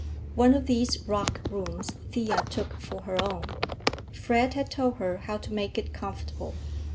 One of these rock rooms Thea took for her own. Fred had told her how to make it comfortable.